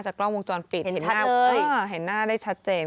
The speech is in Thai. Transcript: จากกล้องวงจรปิดเห็นหน้าได้ชัดเจน